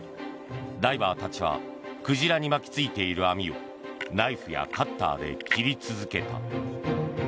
ダイバーたちは鯨に巻きついている網をナイフやカッターで切り続けた。